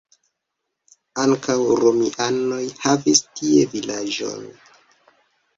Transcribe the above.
Ankaŭ romianoj havis tie vilaĝon.